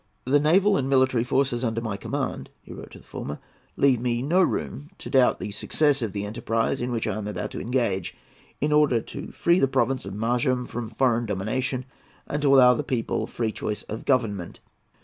"The naval and military forces under my command," he wrote to the former, "leave me no room to doubt the success of the enterprise in which I am about to engage, in order to free the province of Maranham from foreign domination, and to allow the people free choice of government.